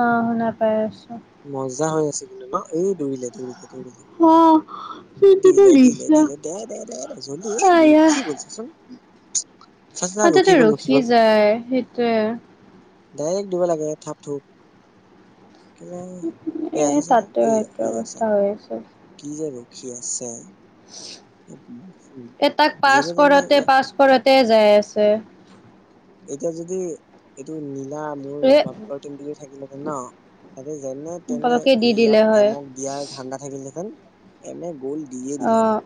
অ হুনা পেছ [unintelligible] মজা হৈ আছে কিন্তু ন এই দৌৰিলে দৌৰিলে অ', কি কিবা দিলে দিলে দিছা দিলে দে দে দে দে জলি ৰ কি গছাচোন আতেতো ৰখি যায় সেইটোৱে ডাইৰেক্ট দিব লাগে থাপ থোপ কি এ এই আছা চা তাতে এইয়া একে এই অৱস্থা আছা হৈ আছে। কি যে ৰ [unintelligible] সুখী আছে। উম, এ তাক পাছ যেনে তেনে কৰতে ইয়াত পাছ কৰোতে। তে যাই আছে। এতিয়া যদি এইটো। মোৰ এ বাপেকৰ তিমটো যদি থাকিলেহেতেন ন সিহঁতে যেনে তেনে পতককে দি দিলে ইয়াত হয় এমক দিয়াৰ ধান্দা থাকিলেঁতেন। এনে গ'ল। দিয়ে দিলে। অ'।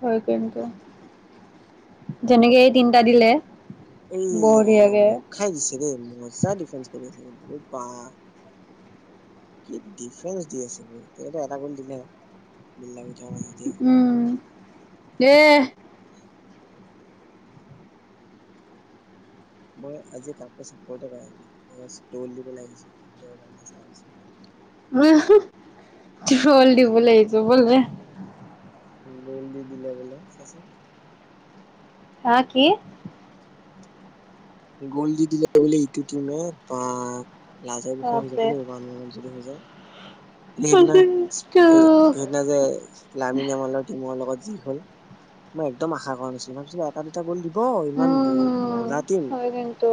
হয় কিন্তু যেনেকে এই তিনটা দিলে এই ৰাম বঢ়িয়াকে ৰ খাই দিছে দেই মজা ডিফেন্স কৰি আছে কিন্তু। উ পা কি ডিফেন্স দি আছে ব তে এটা গ'ল দিলেহে বিললা উম দে মই আজি কাকো চাপত কৰা নাই মই তল দিব আহিছোঁ। তল দিবলে আহিছে বোলে। উ গল দি দিল বলে চা চন। অহ কি। গোল্ দি দিলে বুলি ইটো টীময়ে বা। লাজৰ বিষয়ে হৈ যাব বাপৰে। আন আন যদি হৈ যায়। সেইদিনা সেইদিনা যে লামি নিয়ামৰ টিমৰ লগত। যি হ'ল মই একদম আশা কৰা নাছিলো তাৰ পিছত এতাপিঠা দি। অ ইমান উম মজাতিম। হয় কিন্তু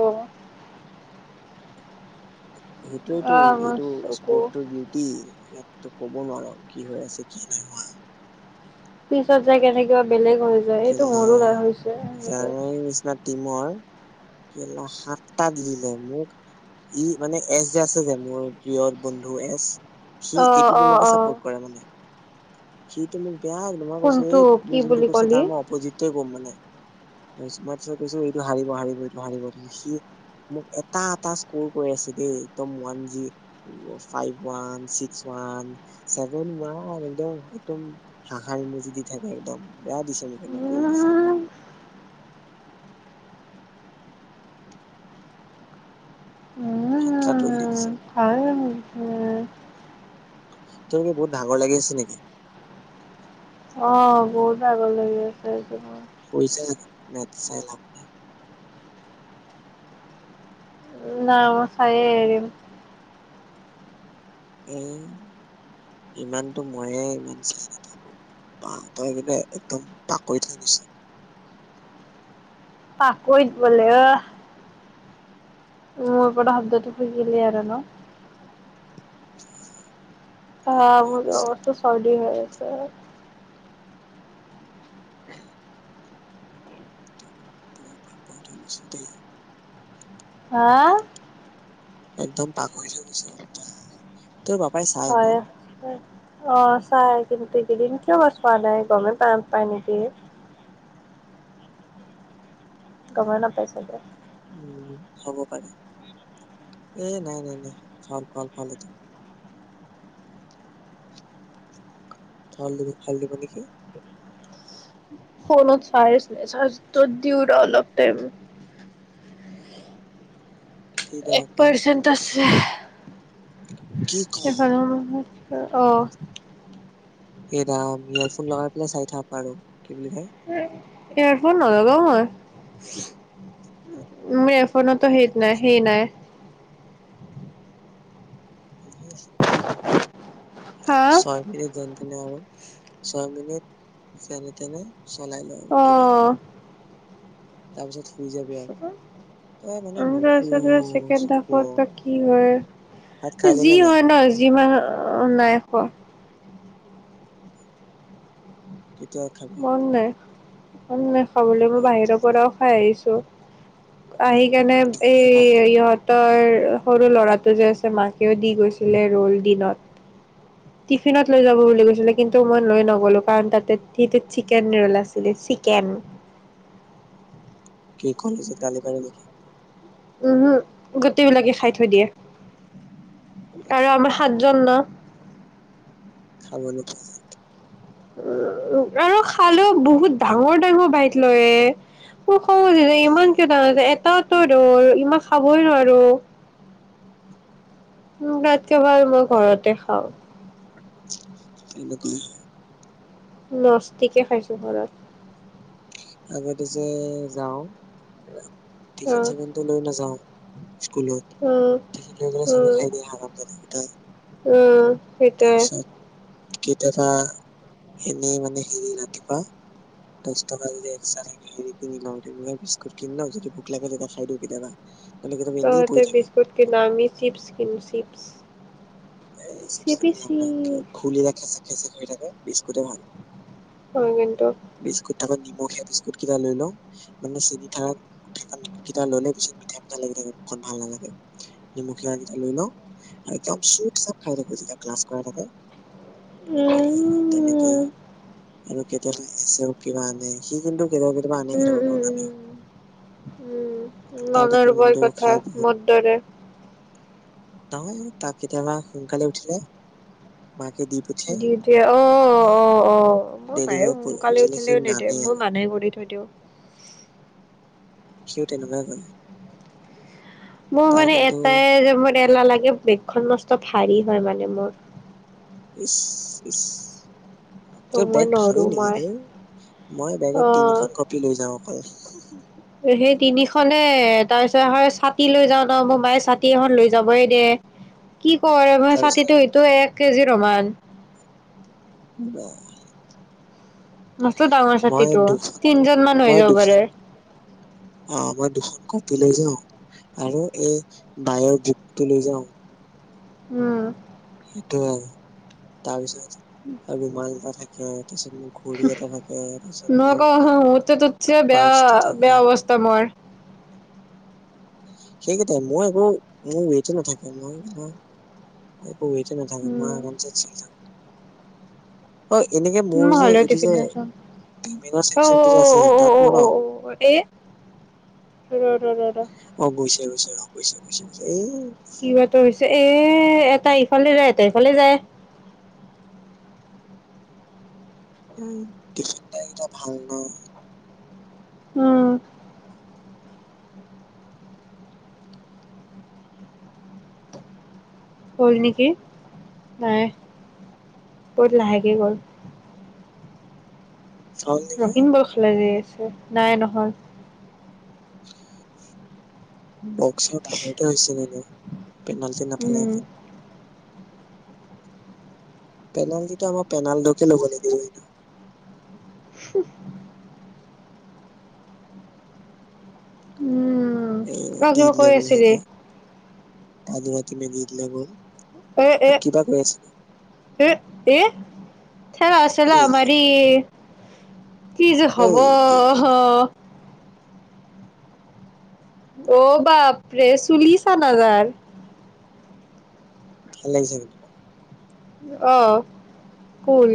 সেইটোৱেইতটো আহ আমাৰ এইটো চকু স্পত বিউটি। তো ক'ব নোৱাৰ কি হৈ আছে কি নাই হোৱা। পিছত যে কেনেকিবা বেলেগ। যায় এইটো কেলা মোৰো লাই হৈছে এনেকৈ। টিমৰেলা সাতটাত দিলে মোক ই মানে এচ যে আছে যে মোৰ প্ৰিয় বন্ধু এছ। সি অ এইটো অ অ তোমাকে চাপোৰ্ট কৰে মানে। শীত মোৰ। বেয়া নহই কৈছো কোনটো এই কি বুলি তুমিোনটো কছা কলি তাৰ মই অপজিটে ক'ম মানে। মইিছত কৈছো এইটো হাৰিব হাৰিব এইটো হাৰিব সি মোক এটা এটা স্কৰ কৰি আছে। দেই একদম ওৱান জ ফাইভ ৱিক্স ৱ চভেন ৱান একদম। একদম হাহাৰি মজি দি থাকে একদম বেয়া দিছে মোক এনা তল দিছে। উম খাত তল দি উম দিছে। ভাল তলোকে বহুত ডাঙৰ লাগিছে নেকি। অ বহুত ভাগৰ লাগি আছে স। ছে জানো মে চাই লাভ নাই। নাই মই চায়ে এৰিম। এ ইমানতো ময়ে ইমান চাই নাথাকো প তই কিাননে একদম পাকৈ থৈ গৈছ। পাকৈত বোলে অ মোৰ পৰা শব্দটো শুজিলে আৰু ন। [inaudible] অ একদম আপদিয়া বস্তু চৰ্দী হয়। উ হে তো তোৰন পাকৈত হৈ গৈছো দেই হাআ একদম পাকৈত হৈ গৈছো একদম হয় অ চাই কিন্তু এইকেদিন কিয় বা চোৱা নাই গামে পা [unintelligible] নিকি গমে নাপাইছো দে উম হব পাৰে এ নাই নাই নাই ভাল ভাল ভাল এইটো ফাল দিব ফাল দিব নেকি ফনত চাৰ্জ নাই চাৰ্জত দিওঁ ৰ অলপ টাইম। ঠিক এক আকৌ পাৰ্চেন্ট আছে [unintelligible] কি ক সেফালেও নহ'ল অ' এৰাম ইয়াৰফোন লগাই পেলাই চাই থাক আৰু কি বুলি কয় এয়াৰফোন নলগাও মই মে ফ ফোনতো এই সেইত ইমান নাই কষ্ট সেই নাই বুজিয়া হা ছয় মিনিট জেন তেন তেনে আৰু ছয় মিনিট যেনে তেনে চলাই ল আৰু অ কিবা কৰি তাৰপিছত শুই যাবি আৰু ত তাৰ পিছতে চেকেণ্ড তাফত বা কি ভাত হয় খালি যি নে নাই হয় ন যিমান- অ নাই খোৱা কেতিয়া খাবি? মন নাই। মন নাই খাবলৈ মই বাহিৰৰ পৰাও খাই আহিছো আহি- কেনে এই এ ভাল এইয়ত তই সৰু ল'ৰাটো যে আছে মাকেও দি গৈছিলে ৰোল দিনত টিফিনত লৈ যাব বুলি কৈছিলে কিন্তু মই লৈ নগলো কাৰণ তাতে সেইটো চিকেন ৰোল আছিলে চিকেন। কি কলেজত গালি পাৰে নেকি? উমহো গোটেইবিলাকে খাই থৈ দিয়ে। আৰু আমাৰ সাতজন ন খাব নিকি উ আৰু খালেও বহুত ডাঙৰ ডাঙৰ বাইক লয় এ তাও যে ইমানকে ডাঙৰ যে এত- তাত ত ৰোল ইমান খাবই নোৱাৰো একেবাৰে মই ঘৰতে খাওঁ। এনেকুৱাই লস্তিকে খাইছো ঘৰত আগতে যে যাও অ টিফিন চিফিন টো লৈ নাযাওঁ স্কুলত উম টিফিন লৈ গলে চবে উম খাই দিয়ে হাৰাম ৰাভা যাদা কেইটাই উম সেইটোৱে তাৰপিছত কেইটা বা এনেই মানে হেৰি ৰাতিপুৱা দহটা বাজি যায় পইচা থাকিলে হেৰি কিনি লয় বিস্কুট কিনি লয় যদি ভোক লাগে তেতিয়া খাই দিওঁ কেতিয়াবা নহ'লে কেতিয়াবা এনেই ততে পৰি থাকে বিস্কুট কিনা দামী চিপছ কিনো চিপছ [unintelligible] এই চি চিপি বি কিনি লাভ চি নাই খুলিলে খেচে হৈ থাকে বিস্কুটে ভাল হয় কিন্তু বিস্কুট তাকো নিমখ খে বিস্কুট কেইটা লৈ লওঁ মানে চেনি থ থ কেইটা ললে পিছত মিঠাই মিঠাই লাগি থাকেন ভাল নালাগে নেমুখিয়াক কেইটা লৈ লওঁ আৰু একদম চ চব খাই থাকো যেতিয়া ক্লাছ কৰা থাকে উম আৰু তেনেকেই উম আৰু কেতিয়াবা এছেও কিবা আনে সি কিন্তু কেতিয়াবা কেতিয়াবা আনে উম কেতিয়াবা কেতিয়াবা উম। নানে তাৰ টিফিন মনৰোৰবৰ কিন্তু কথা খাই বহুত মোৰ দৰে [unintelligible] নহয় ত কেতিায়াবা সোনকালে উঠিলে মাকে দি পঠিয়াই দিওটি অ অ অ অ মোৰ বায়ে দেৰিকে প- সোনকালে উঠিলে সি উঠিলেও নিদে নানেই মই আৰু মানহ কৰি থৈ দিওঁ [unintelligible] সি তেনেকুৱাই কৰে মোৰ তাৰ মানে কিন্তু এটাই যে ম নালাগে বেগখন মস্ত ভাৰী হয় মানে মোৰ ইফ ইফ ত তই মই বেগ ভাৰি নৰো মই নেকি মই বেগত অ তিনখন কপি লৈ যাও অকল উ সেই তিনিখনে তাৰপিছত হয় ছাতি লৈ যাওঁ ন মোৰ মায়ে ছাতি এখন লৈ যাবই দে কি কৰে মই তাৰপিছত ছাতিটো আৰু সটো এক কেজিৰোমান [unintelligible] আহ মছত ডাঙৰ চাতিতো তিনজনমান হৈ [unintelligible] য় মই যাব বাৰে দুখন অ মই দুখন কপি লৈ যাওঁ আৰু এই বায়' বুকটো লৈ যাওঁ উম সেইটোয় আৰু তাৰপিছত আৰু ৰোমাল এটা থাকে কি মোৰ নকৌ মোৰতো তোতছে বেয়া পাৰ্চটো থাকে -বেয়া অৱস্থা মোৰ। সেইকেইটাই মই একো মোৰ ৱেইট নাথাকে মই, মই, মোৰ ৱেইট এ, নাথাকে মই উম আৰামচে চলি থাকো। অ এনেকে মোৰ যে এইটো যে পেমেন্টৰ চেকচনটো যে আছে যে তাত মোৰ ন [unintelligible] অহ ', গৈছে - গৈছে ৰ ', গৈছে - গৈছে -গৈছে এই, কিবাতো হৈছে এ', এ ', তাই ইফালে যায়, এটাই সিফালে যায়, [unintelligible] উম, গ'ল নেকি? নাই বহুত লাহেকে গ'ল। হ'ল নেকি [unintelligible] নাই নহয়। বক্সৰ বাহিৰতে হৈছে নিনি পেনাল্টি উম নাপালেহেতেন। পেনাল্টিটো আমাক পেনাল্ডকে ল'ব লাগিল এইটো। [unintelligible] উম', এ', অ দি কিবা কৈ লেবেল আছিলি হেহেতে, তাত বোলে তুমি গৈ দিলে গ'ল। কিবা কৈ আছিলো [unintelligible] তেওঁ আছিলে দেই আমাৰি। কি যে হ'ব এই দিলে অহ ', অ', অ', বাপৰে চুলি ছানা তাৰ? ভাল লাগিছে নেকি? অহ ', কুল।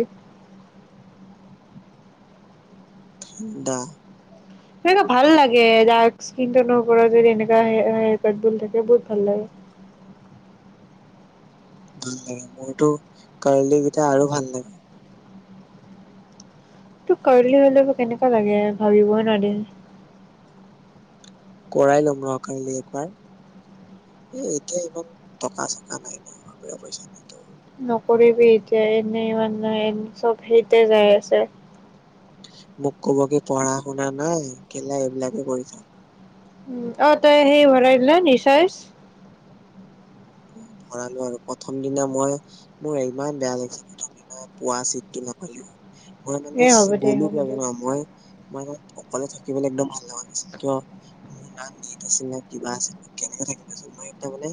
ঠাণ্ডা, [unintelligible] ভাল লাগে মোৰতো কাৰ্লি কেইটা আৰু ভাল লাগে। তোক কাৰ্লি হলে কেনেকুৱা লাগে ভাবিবই নোৱাৰি। কৰাই লম ৰ', কাৰ্লি একবাৰ। এ, ' এতিয়া ইমান টকা -চকা নাই ন', বাপৰে পইচা নাইতো। নকৰিবি এতিয়া, এনেই ইমান নাই চ'ব সেইতে যাই আছে। মোক ক'ব কি, পঢ়া শুনা নাই কেলা এইবিলাকে কৰি থাক। উম ', অ', তই সেই ভৰাইদিলে ৰিচাৰ্জ। ভৰালো আৰু প্ৰথম দিনা মই মোৰ ইমান বেয়া লাগিছে, প্ৰথম দিনা পুৱা চিটটো নাপালো। মই এ মানে হ'ব চি, দে 'গ'লো হ'ব দে বাৰু আমুয়াই। মই তাত অকলে থাকিবলৈ একদম ভাল লগা নাছিল। কিয়, মোৰ না নেট আছিল নে কিবা আছিল মই কেনেকে থাকিম, মই তাৰ মানে,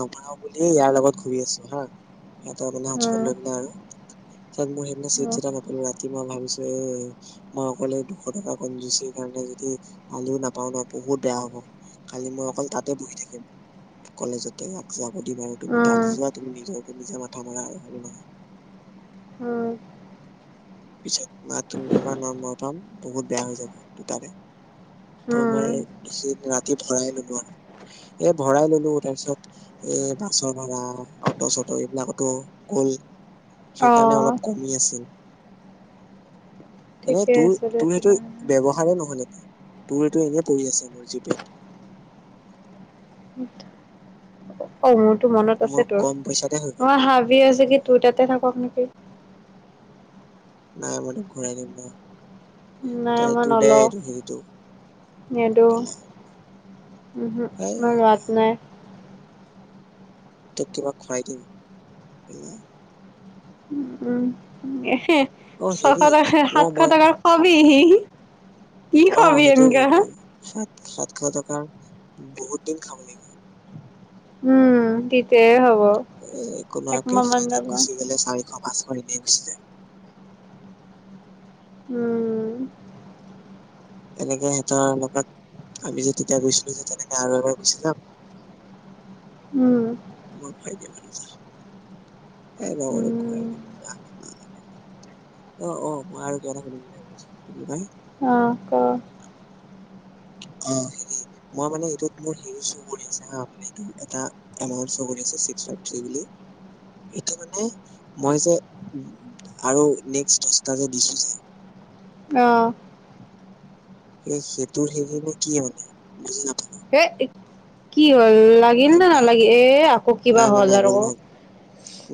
নপহৰাও বুলি ইয়াৰ লগত ঘূৰি আছো হা', সিহঁতে মানে হোটেলত অঁ লৈ দিলে আৰু, তাক মোৰ সেইদিনা চিপচ অঁ এটা নাপালো ৰাতি মই ভাবিছো মই অকলে এই দুশ টকা কন যুচিৰ কাৰণে যদি আজিও নাপাও ন বহুত বেয়া হ'ব কালি মই অকল তাতে বহি থাকিম কলেজত ত ইয়াত জব সুদিম আৰু তুমি অঁ তালে যোৱা তুমি নিজৰ নিজা মাথা মাৰা আৰু হয়নে নহয় অঁ পিছত তুমি বাবা নমমৰ পাম বহুত বেয়া হৈ যাব দুটাৰে ত' অঁ মই বেছি ৰাতি ভৰাই ললো আৰু এ ভৰাই ললো তাৰপিছত এ বাছৰ ভাড়া অটো চটো এইবিলাকতো গ'ল সেইকাৰণে অঁ অলপ কমি আছিল এনেই ঠিকে তোৰ আছে দে তোৰ সেইটো তেনেহ'লে ব্যৱহাৰে নহ'লে নেকি তোৰটো এনেই পৰি আছে মোৰ জিপত অ সেইটো মনত আছে মোৰ তোৰ কম পইচাতে হৈ গ'ল মই ভাবি আছো কি তোৰ তাতে থাকক নেকি নাই মই ত ঘূৰাই দিম ন নাই তে মই তোৰ দে নলও এইটো হেৰিটো নিদো কেলা উম হম এই মই লোৱাত নাই তোক কিবা খোৱাই দিম কেলা উম এহে অ ছশ হেৰি টকা অ সাতশ মই টকাৰ খোৱা বি হিহি অ সেইটোয়ে শুন ক সাত সাত সাতশ টকাৰ বহুত দিন খাব লাগিব উম তেতিয়াহে হব এ কোনো একমাহ কেফে মান তাত যাব গুচি গলে চাৰিশ পাঁচশ এনেই গুচি যায় উম এনেকে সিহঁতৰ লগত আমি যে তেতিয়া গৈছিলো যে তেনেকে আৰু এবাৰ গুচি যাম উম ঘূৰাই দিয়া নাছিলো এ ৰ আৰু উম ঘূৰাই দিম বাল অ অ মই আৰু কিবা এটা সুধিম বুলি ভাবিছো কি বুলি কয় অঁ ক অ হেৰি মই মানে ইউটিউবত মোৰ হেৰি চউ কৰি আছে এইটো এটা এমাউণ্ট চউ কৰি আছে ছিক্স ফাইভ থ্ৰী বুলি সেইটো মানে মই যে আৰু নেক্সট দহটা যে দিছিলো যে অহ সেই সেইটোৰ সেইখিনি কি মানে বুজি নাপ এ কি হয় লাগিল নে নাই নালাগিল এ আকৌ কিবা নাই নাই হ'ল নাই আৰু গ'ল নহ'ল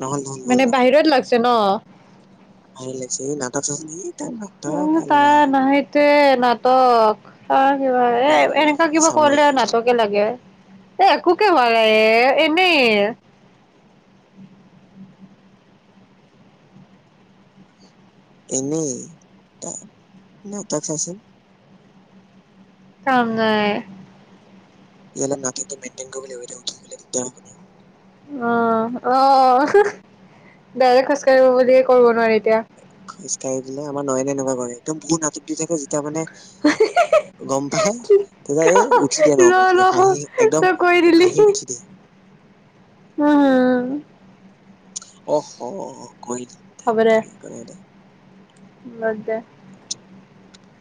নহ'ল মানে বাহিৰত লাগ তে ন অহ লাগিছে নাটক চাইছে নেকি অ তা নাহে তে নাটক অঁ কিবা এ এনেকা কিবা চাব কৰিলে নোৱাৰে অঁ নাটকে লাগে এ একো হোৱা নাই এনেই এনেই তাৰ ন তাক চাচোন চ নাই তেতিয়াৰ হলে ৰাটিতো মেইনটেইন কৰিব য়া উঠি গলে দিগদাৰ হব নয় অঁ অঁ বাই খোজকাঢ়িব বুলিয়ে কৰিব নোৱাৰি এতিয়া খোজ কাঢ়ি দিলে আমাৰ নহয়নেে এনেকুৱা কৰে একদম বহুতাটক দি থাকে যেতিয়া মানে হিঁ গম পাই হিঁ তেতিয়া ক এই উঠি দিয়ে ন নৰ্মেলকে নহ হাঁহি একদম তই কৈ দিলি হাঁহি উঠি দিয়ে উম অঁহ কৰি দ ত হ'ব দে কৰি দে বাদ দে উ [inaudible]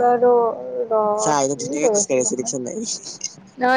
ৰ ৰ চা এতিয়া কি ধুনীয়াকে কৰি খোজকাঢ়ি আছিল আছে দেখিছ নাই মই